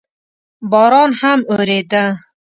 باران هم اورېده.